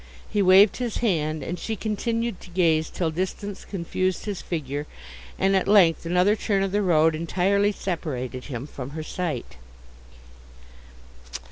He waved his hand, and she continued to gaze till distance confused his figure, and at length another turn of the road entirely separated him from her sight.